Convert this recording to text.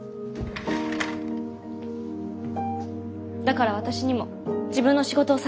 だから私にも自分の仕事をさせて下さい。